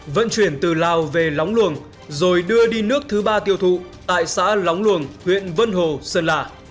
vận chuyển từ lào về lóng luồng rồi đưa đi nước thứ ba tiêu thụ tại xã lóng luồng huyện vân hồ sơn la